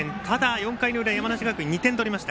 ４回の裏山梨学院、２点取りました。